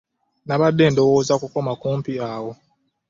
Nabadde ndowooza okoma kumpi awo.